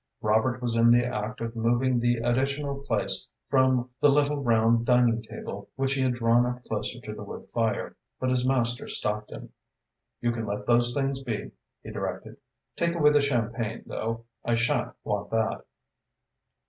Robert was in the act of moving the additional place from the little round dining table which he had drawn up closer to the wood fire, but his master stopped him. "You can let those things be," he directed. "Take away the champagne, though. I shan't want that."